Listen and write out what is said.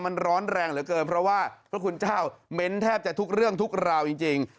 มันร้อนแรงเหลือเกินเพราะว่าพระคุณเจ้าเม้นแทบจะทุกเรื่องทุกราวจริง